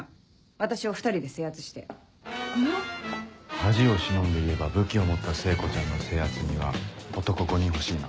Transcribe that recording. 恥を忍んで言えば武器を持った聖子ちゃんの制圧には男５人欲しいな。